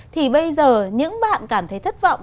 thì bây giờ những bạn cảm thấy thất vọng